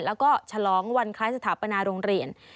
แล้วก็ฉลองวันคล้ายสถาปนาโรงเรียน